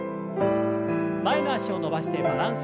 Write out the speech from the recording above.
前の脚を伸ばしてバランス。